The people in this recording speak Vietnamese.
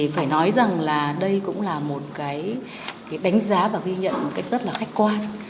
phải nói rằng đây cũng là một đánh giá và ghi nhận rất khách quan